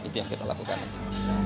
itu yang kita lakukan nanti